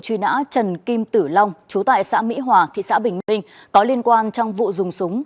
truy nã trần kim tử long chú tại xã mỹ hòa thị xã bình minh có liên quan trong vụ dùng súng